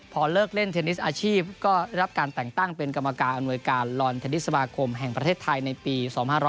พอเลิกเล่นเทนนิสอาชีพก็ได้รับการแต่งตั้งเป็นกรรมการอำนวยการลอนเทนนิสสมาคมแห่งประเทศไทยในปี๒๕๕๙